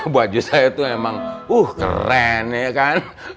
baju saya itu emang uh keren ya kan